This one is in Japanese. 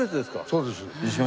そうです。